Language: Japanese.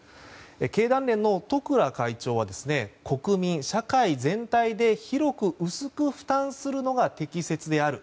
経団連の十倉会長は国民、社会全体で広く薄く負担するのが適切である。